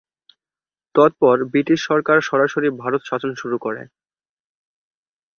অত:পর British সরকার সরাসরি ভারত শাসন শুরু করে।